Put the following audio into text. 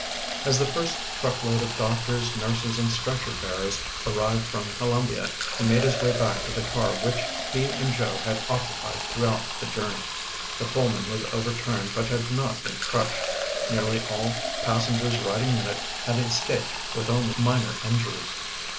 As the first truckload of doctors, nurses, and stretcher bearers arrived from Columbia, he made his way back to the car which he and Joe had occupied throughout the journey. The Pullman was overturned but had not been crushed. Nearly all passengers riding in it had escaped with only minor injuries.